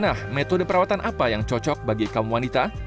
nah metode perawatan apa yang cocok bagi kamu wanita